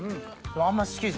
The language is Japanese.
あんま。